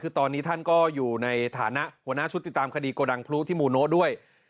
คือตอนนี้ท่านก็อยู่ในฐานะหัวหน้าชุดติดตามคดีโกดังพลุที่มูโนะด้วย